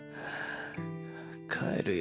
帰るよ。